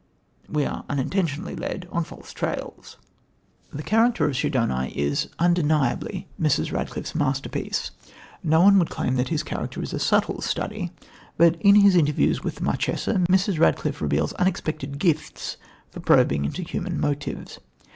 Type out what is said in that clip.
We are unintentionally led on false trails. The character of Schedoni is undeniably Mrs. Radcliffe's masterpiece. No one would claim that his character is subtle study, but in his interviews with the Marchesa, Mrs. Radcliffe reveals unexpected gifts tor probing into human motives.